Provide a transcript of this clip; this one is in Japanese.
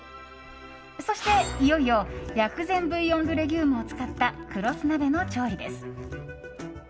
そして、いよいよ薬膳ブイヨン・ドゥ・レギュームを使った食労寿鍋の調理です。